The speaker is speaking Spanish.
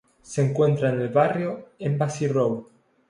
Se encuentra en el barrio Embassy Row.